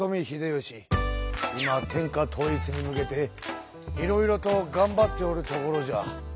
今天下統一に向けていろいろとがんばっておるところじゃ。